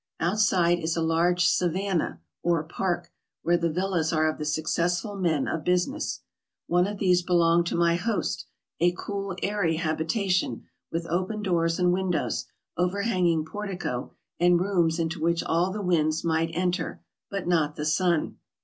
Outside is a large savanna or park, where the villas are of the successful men of business. One of these be longed to my host, a cool, airy habitation, with open doors and windows, overhanging portico, and rooms into which all the winds might enter, but not the sun.